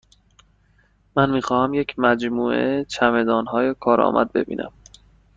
من می خواهم یک مجموعه چمدانهای کارآمد ببینم.